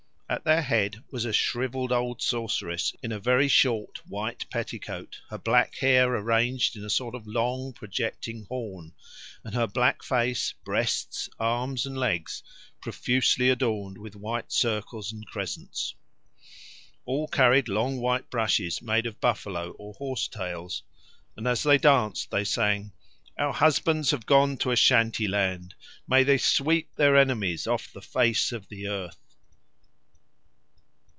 At their head was a shrivelled old sorceress in a very short white petticoat, her black hair arranged in a sort of long projecting horn, and her black face, breasts, arms, and legs profusely adorned with white circles and crescents. All carried long white brushes made of buffalo or horse tails, and as they danced they sang, "Our husbands have gone to Ashanteeland; may they sweep their enemies off the face of the earth!"